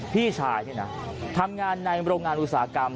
พี่ชายนี่นะทำงานในโรงงานอุตสาหกรรม